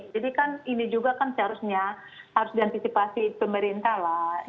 jadi kan ini juga kan seharusnya harus diantisipasi pemerintah lah